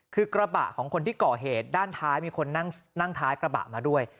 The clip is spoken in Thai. คือกระบะของคนที่ก่อเหตุด้านท้ายมีคนนั่งท้ายกระบะมาด้วย